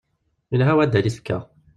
Ilha waddal i tfekka.